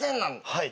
はい。